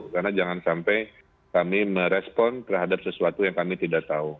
karena jangan sampai kami merespon terhadap sesuatu yang kami tidak tahu